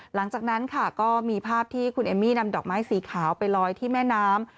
หลังจากนั้นค่ะก็มีภาพที่คุณเอมมี่นำดอกไม้สีขาวไปลอยที่แม่น้ำ